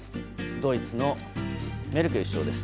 ドイツのメルケル首相です。